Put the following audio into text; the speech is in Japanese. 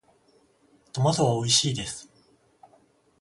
トマトはおいしいです。